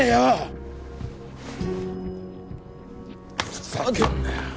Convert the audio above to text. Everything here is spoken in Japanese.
ふざけんなよ。